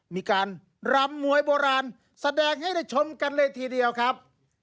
มีการรำมวยโบราณแสดงให้ได้ชมกันเลยทีเดียวครับ